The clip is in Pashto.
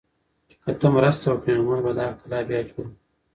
که ته مرسته وکړې نو موږ به دا کلا بیا جوړه کړو.